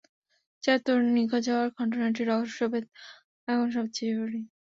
চার তরুণের নিখোঁজ হওয়ার ঘটনাটির রহস্যভেদ এখন সবচেয়ে জরুরি।